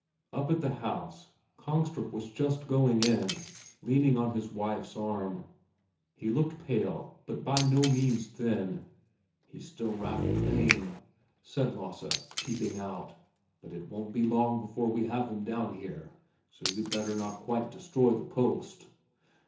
Up at the house, Kongstrup was just going in, leaning on his wife's arm. He looked pale but by no means thin. "He's still rather lame," said Lasse, peeping out; "but it won't be long before we have him down here, so you'd better not quite destroy the post."